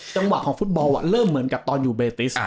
จังหวะความฟุตบอลเหมือนกับตอนอยู่เบรทิส